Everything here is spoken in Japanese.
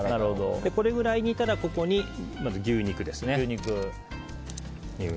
これぐらい煮たらここに牛肉ですね。